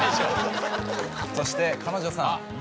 そして彼女さん。